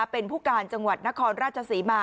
เป็นผู้การจังหวัดนครราชศรีมา